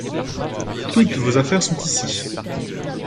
Toutes vos affaires sont ici.